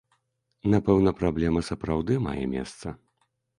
Напэўна, праблема сапраўды мае месца.